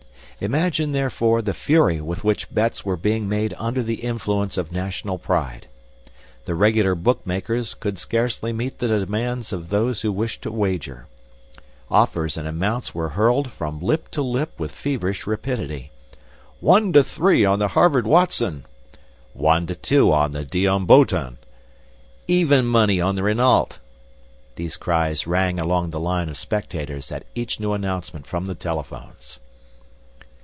Imagine, therefore, the fury with which bets were being made under the influence of national pride. The regular book makers could scarcely meet the demands of those who wished to wager. Offers and amounts were hurled from lip to lip with feverish rapidity. "One to three on the Harvard Watson!" "One to two on the Dion Bouton!" "Even money on the Renault!" These cries rang along the line of spectators at each new announcement from the telephones.